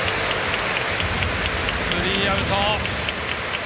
スリーアウト。